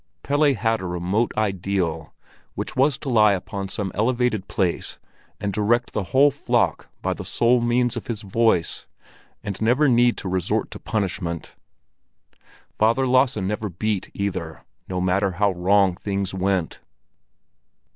Pelle had a remote ideal, which was to lie upon some elevated place and direct the whole flock by the sole means of his voice, and never need to resort to punishment. Father Lasse never beat either, no matter how wrong things went.